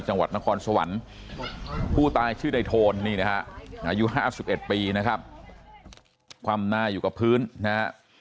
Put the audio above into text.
จังหวัดนครสวรรค์ผู้ตายชื่อในโทนนี่นะฮะอายุ๕๑ปีนะครับคว่ำหน้าอยู่กับพื้นนะฮะ